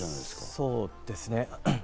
そうですね。